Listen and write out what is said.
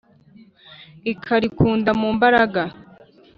ikarikunda mu mbaraga